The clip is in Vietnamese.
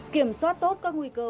kiểm soát tốt các nguy cơ